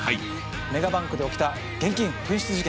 メガバンクで起きた現金紛失事件。